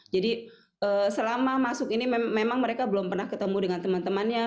jadi selama masuk ini memang mereka belum pernah ketemu dengan teman temannya